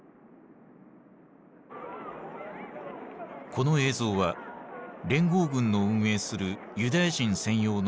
この映像は連合軍の運営するユダヤ人専用の難民キャンプ。